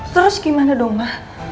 terus gimana dong ma